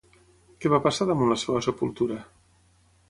Què va passar damunt la seva sepultura?